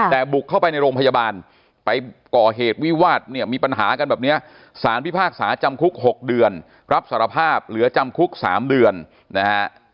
แต่บุกเข้าไปในโรงพยาบาลไปก่อเหตุวิวาสเนี่ยมีปัญหากันแบบนี้สารพิพากษาจำคุก๖เดือนรับสารภาพเหลือจำคุก๓เดือนนะฮะ